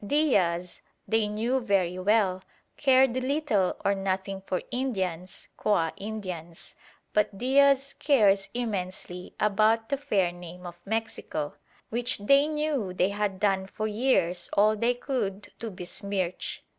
Diaz, they knew very well, cared little or nothing for Indians qua Indians. But Diaz cares immensely about the fair name of Mexico, which they knew they had done for years all they could to besmirch.